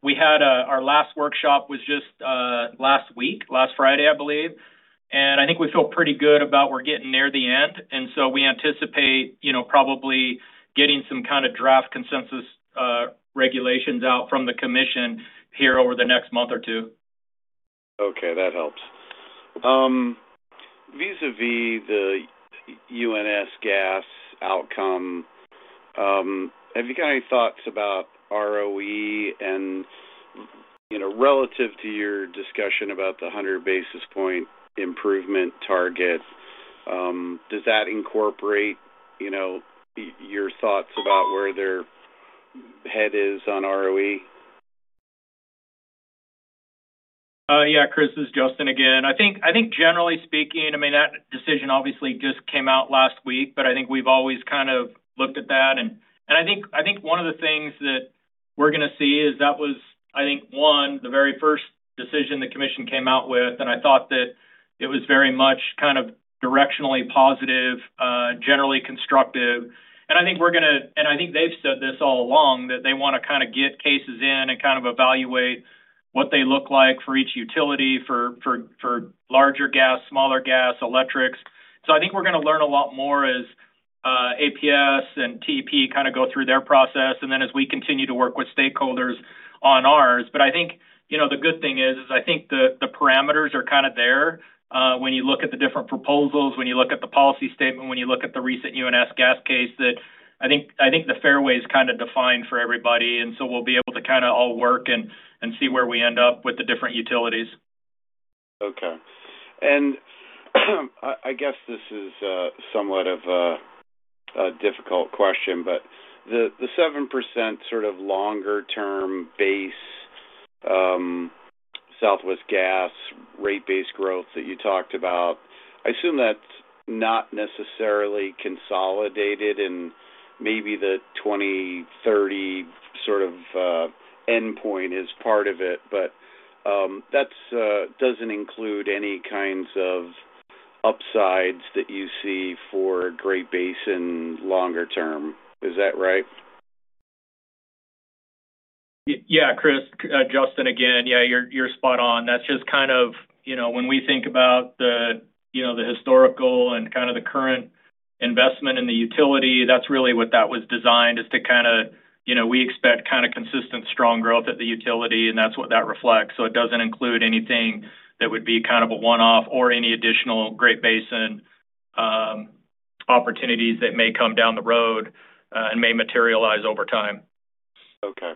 We had our last workshop was just last week, last Friday, I believe, and I think we feel pretty good about we're getting near the end. We anticipate, you know, probably getting some kind of draft consensus, regulations out from the commission here over the next month or two. Okay, that helps. Vis-a-vis the UNS Gas outcome, have you got any thoughts about ROE? You know, relative to your discussion about the 100 basis point improvement target, does that incorporate, you know, your thoughts about where their head is on ROE? Yeah, Chris, this is Justin again. I think generally speaking, I mean, that decision obviously just came out last week, but I think we've always kind of looked at that. I think one of the things that we're going to see is that was one, the very first decision the Commission came out with, and I thought that it was very much kind of directionally positive, fairly constructive. I think they've said this all along, that they want to kind of get cases in and kind of evaluate what they look like for each utility, for larger gas, smaller gas, electrics. I think we're going to learn a lot more as APS and TEP kind of go through their process, and then as we continue to work with stakeholders on ours. I think, you know, the good thing is, I think the parameters are kind of there, when you look at the different proposals, when you look at the policy statement, when you look at the recent UNS Gas case, that I think the fairway is kind of defined for everybody. We'll be able to kind of all work and see where we end up with the different utilities. Okay. I guess this is somewhat of a difficult question, but the 7% sort of longer-term base, Southwest Gas rate base growth that you talked about, I assume that's not necessarily consolidated and maybe the 2030 sort of endpoint is part of it. That's doesn't include any kinds of upsides that you see for Great Basin longer term. Is that right? Yeah, Chris, Justin again. Yeah, you're spot on. That's just kind of, you know, when we think about the, you know, the historical and kind of the current investment in the utility, that's really what that was designed, is to kind of, you know. We expect kind of consistent, strong growth at the utility, and that's what that reflects. It doesn't include anything that would be kind of a one-off or any additional Great Basin opportunities that may come down the road and may materialize over time. Okay.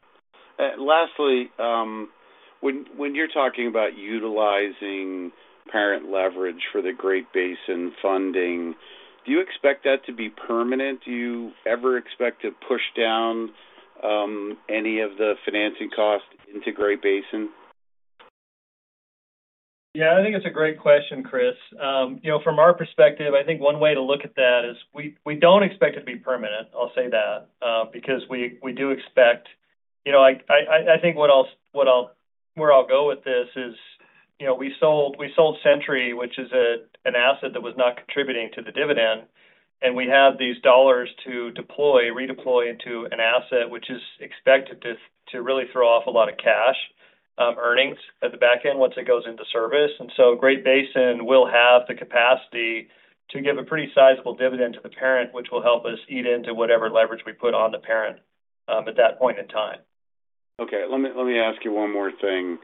Lastly, when you're talking about utilizing parent leverage for the Great Basin funding, do you expect that to be permanent? Do you ever expect to push down any of the financing costs into Great Basin? Yeah, I think it's a great question, Chris. You know, from our perspective, I think one way to look at that is we don't expect it to be permanent, I'll say that. Because we do expect. You know, I think where I'll go with this is, you know, we sold Centuri, which is an asset that was not contributing to the dividend, and we have these dollars to deploy, redeploy into an asset, which is expected to really throw off a lot of cash, earnings at the back end once it goes into service. Great Basin will have the capacity to give a pretty sizable dividend to the parent, which will help us eat into whatever leverage we put on the parent at that point in time. Okay, let me ask you one more thing.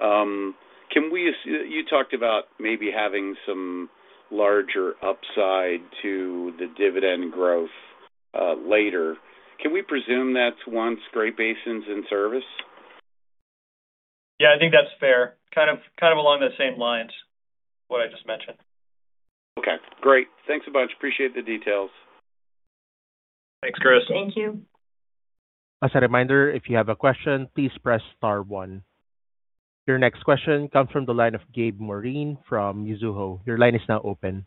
You talked about maybe having some larger upside to the dividend growth later. Can we presume that's once Great Basin's in service? Yeah, I think that's fair. Kind of along the same lines, what I just mentioned. Okay, great. Thanks a bunch. Appreciate the details. Thanks, Chris. Thank you. As a reminder, if you have a question, please press star one. Your next question comes from the line of Gabriel Moreen from Mizuho. Your line is now open.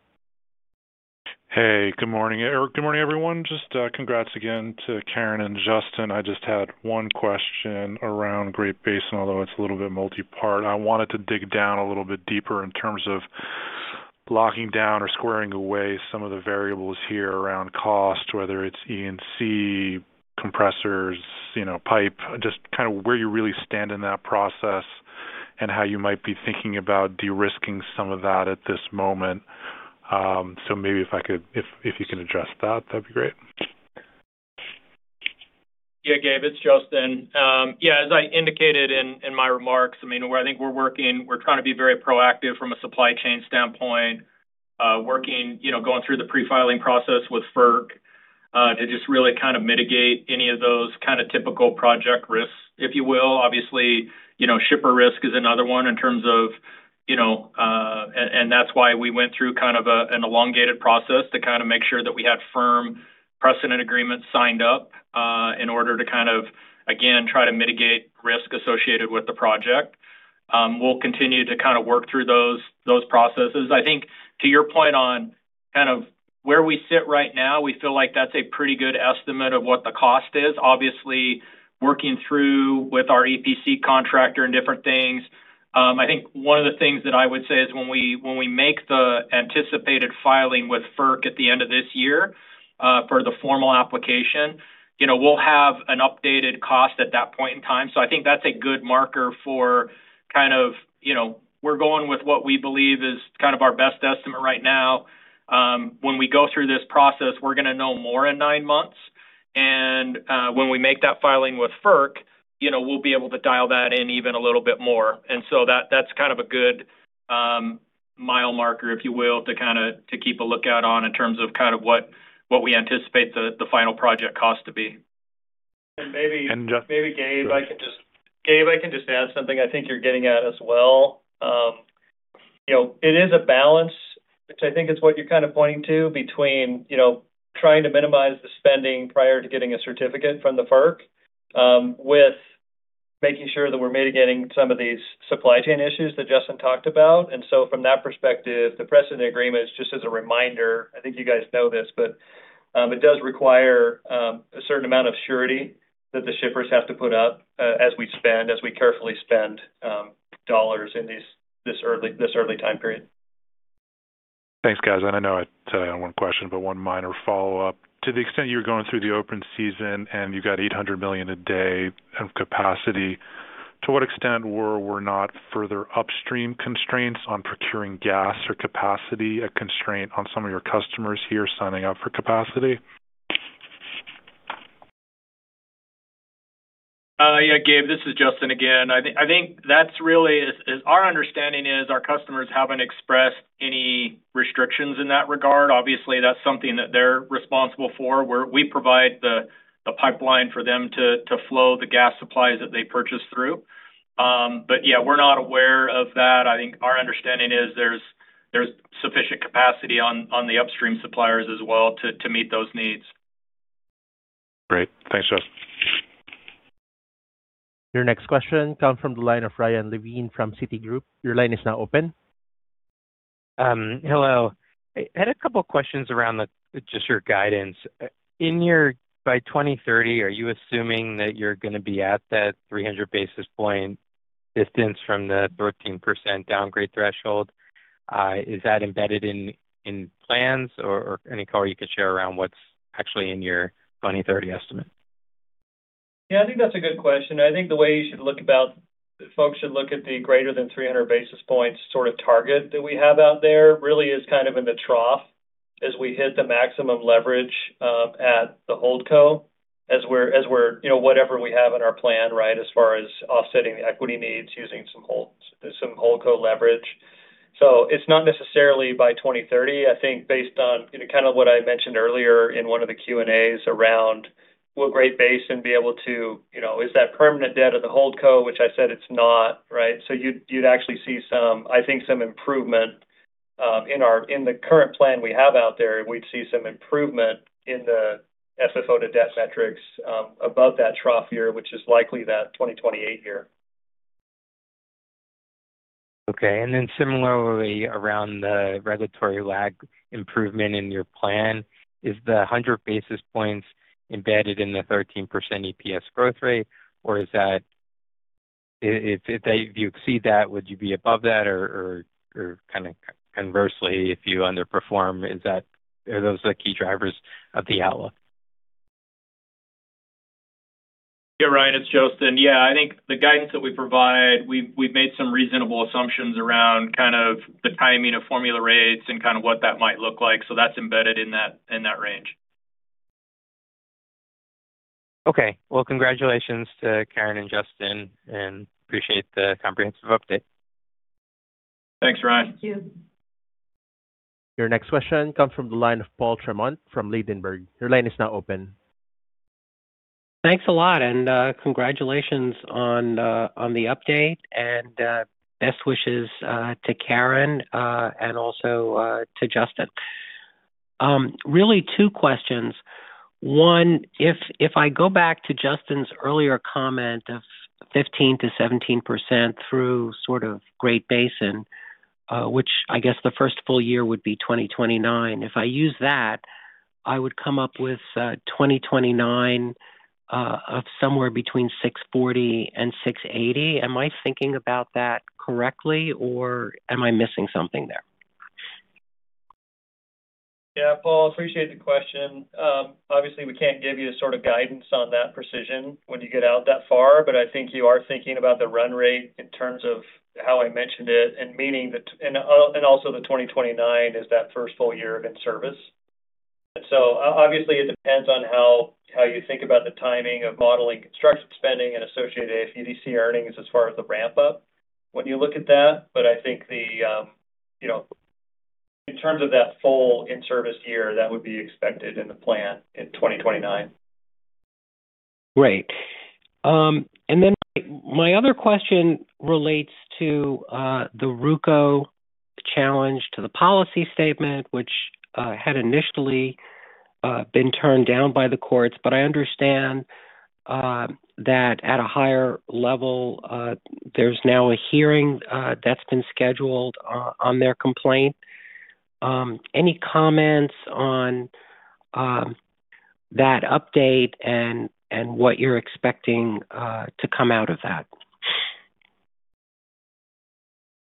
Hey, good morning, Eric. Good morning, everyone. Just, congrats again to Karen and Justin. I just had one question around Great Basin, although it's a little bit multipart. I wanted to dig down a little bit deeper in terms of locking down or squaring away some of the variables here around cost, whether it's ENC, compressors, you know, pipe, just kind of where you really stand in that process and how you might be thinking about de-risking some of that at this moment. Maybe if you can address that'd be great. Yeah, Gabe, it's Justin. Yeah, as I indicated in my remarks, I mean, where I think we're working, we're trying to be very proactive from a supply chain standpoint, working, you know, going through the pre-filing process with FERC, to just really kind of mitigate any of those kind of typical project risks, if you will. Obviously, you know, shipper risk is another one in terms of, you know. That's why we went through kind of a, an elongated process, to kind of make sure that we had firm precedent agreements signed up, in order to kind of, again, try to mitigate risk associated with the project. We'll continue to kind of work through those processes. I think to your point on kind of where we sit right now, we feel like that's a pretty good estimate of what the cost is. Obviously, working through with our EPC contractor and different things, I think one of the things that I would say is when we make the anticipated filing with FERC at the end of this year, for the formal application, you know, we'll have an updated cost at that point in time. I think that's a good marker for kind of, you know, we're going with what we believe is kind of our best estimate right now. When we go through this process, we're gonna know more in nine months, when we make that filing with FERC, you know, we'll be able to dial that in even a little bit more. That's kind of a good, mile marker, if you will, to kind of, to keep a lookout on in terms of kind of what we anticipate the final project cost to be. And maybe- And just- Maybe, Gabe, I can just add something I think you're getting at as well. You know, it is a balance, which I think is what you're kind of pointing to, between, you know, trying to minimize the spending prior to getting a certificate from the FERC, with making sure that we're mitigating some of these supply chain issues that Justin talked about. From that perspective, the precedent agreement is just as a reminder, I think you guys know this, but, it does require a certain amount of surety that the shippers have to put up, as we carefully spend in this early time period. Thanks, guys. I know I only have one question, but one minor follow-up. To the extent you're going through the open season and you've got 800 million a day of capacity, to what extent were or were not further upstream constraints on procuring gas or capacity a constraint on some of your customers here signing up for capacity? Yeah, Gabe, this is Justin again. I think that's really our understanding is our customers haven't expressed any restrictions in that regard. Obviously, that's something that they're responsible for, where we provide the pipeline for them to flow the gas supplies that they purchase through. Yeah, we're not aware of that. I think our understanding is there's sufficient capacity on the upstream suppliers as well to meet those needs. Great. Thanks, Justin. Your next question comes from the line of Ryan Levine from Citigroup. Your line is now open. Hello. I had a couple of questions around just your guidance. In your by 2030, are you assuming that you're going to be at that 300 basis point distance from the 13% downgrade threshold? Is that embedded in plans or any color you could share around what's actually in your 2030 estimate? I think that's a good question. I think the way you should look at the greater than 300 basis points sort of target that we have out there really is kind of in the trough as we hit the maximum leverage at the holdco, as we're, you know, whatever we have in our plan, right, as far as offsetting the equity needs using some holdco leverage. It's not necessarily by 2030. I think based on kind of what I mentioned earlier in one of the Q&As around will Great Basin be able to, you know, is that permanent debt of the holdco? Which I said it's not, right. You'd actually see some, I think, some improvement, in the current plan we have out there, we'd see some improvement in the FFO to debt metrics, above that trough year, which is likely that 2028 year. Similarly, around the regulatory lag improvement in your plan, is the 100 basis points embedded in the 13% EPS growth rate, or is that if you exceed that, would you be above that? Or kind of conversely, if you underperform, are those the key drivers of the outlook? Yeah, Ryan, it's Justin. Yeah, I think the guidance that we provide, we've made some reasonable assumptions around kind of the timing of formula rates and kind of what that might look like. That's embedded in that range. Okay. Well, congratulations to Karen and Justin, and appreciate the comprehensive update. Thanks, Ryan. Thank you. Your next question comes from the line of Paul Fremont from Ladenburg. Your line is now open. Thanks a lot, congratulations on the update, and best wishes to Karen and also to Justin. Really 2 questions. One, if I go back to Justin's earlier comment of 15%-17% through sort of Great Basin, which I guess the first full year would be 2029. If I use that, I would come up with 2029 of somewhere between $640 and $680. Am I thinking about that correctly or am I missing something there? Yeah, Paul, appreciate the question. Obviously, we can't give you the sort of guidance on that precision when you get out that far, but I think you are thinking about the run rate in terms of how I mentioned it, and meaning that, and also the 2029 is that first full year of in-service. Obviously, it depends on how you think about the timing of modeling construction spending and associated FEC earnings as far as the ramp-up when you look at that. I think the, you know, in terms of that full in-service year, that would be expected in the plan in 2029. Great. My other question relates to the RUCO challenge to the policy statement, which had initially been turned down by the courts. I understand that at a higher level, there's now a hearing that's been scheduled on their complaint. Any comments on that update and what you're expecting to come out of that?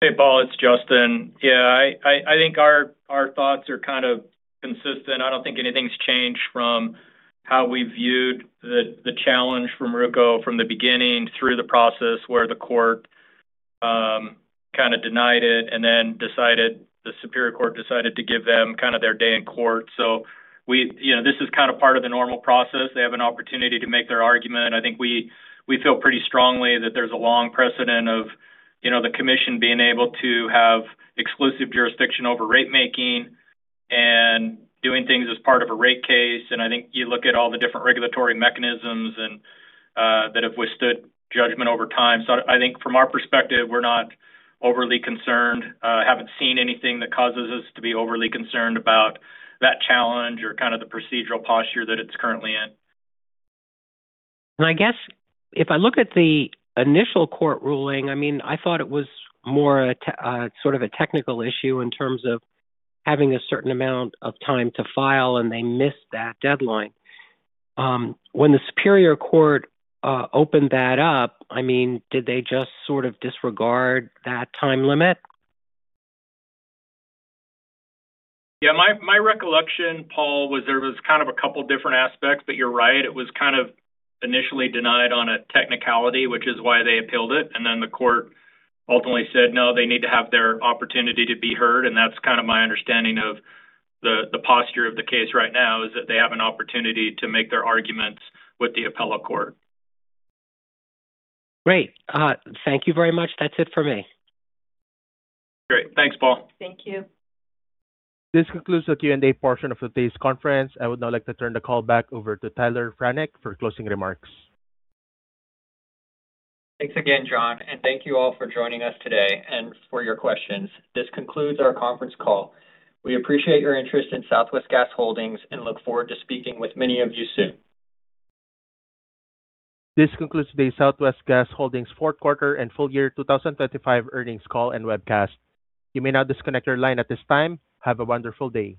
Hey, Paul, it's Justin. Yeah, I think our thoughts are kind of consistent. I don't think anything's changed from how we viewed the challenge from RUCO from the beginning through the process where the court kind of denied it and then decided, the Superior Court decided to give them kind of their day in court. We, you know, this is kind of part of the normal process. They have an opportunity to make their argument. I think we feel pretty strongly that there's a long precedent of, you know, the commission being able to have exclusive jurisdiction over rate making and doing things as part of a rate case. I think you look at all the different regulatory mechanisms that have withstood judgment over time. I think from our perspective, we're not overly concerned. I haven't seen anything that causes us to be overly concerned about that challenge or kind of the procedural posture that it's currently in. I guess if I look at the initial court ruling, I mean, I thought it was more a sort of a technical issue in terms of having a certain amount of time to file, and they missed that deadline. When the Superior Court opened that up, I mean, did they just sort of disregard that time limit? Yeah. My recollection, Paul, was there was kind of a couple different aspects. You're right, it was kind of initially denied on a technicality, which is why they appealed it. The court ultimately said, no, they need to have their opportunity to be heard. That's kind of my understanding of the posture of the case right now, is that they have an opportunity to make their arguments with the appellate court. Great. Thank you very much. That's it for me. Great. Thanks, Paul. Thank you. This concludes the Q&A portion of today's conference. I would now like to turn the call back over to Tyler Franek for closing remarks. Thanks again, John, and thank you all for joining us today and for your questions. This concludes our conference call. We appreciate your interest in Southwest Gas Holdings and look forward to speaking with many of you soon. This concludes the Southwest Gas Holdings Q4 and full year 2025 earnings call and webcast. You may now disconnect your line at this time. Have a wonderful day.